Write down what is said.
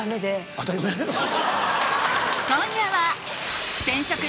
当たり前やないか。